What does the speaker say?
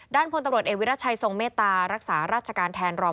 พลตำรวจเอกวิรัชัยทรงเมตตารักษาราชการแทนรอง